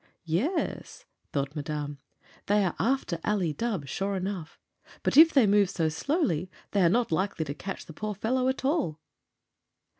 "Yes," thought Madame, "they are after Ali Dubh, sure enough. But if they move so slowly they are not likely to catch the poor fellow at all."